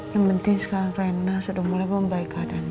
yang penting sekarang sudah mulai membaik keadaannya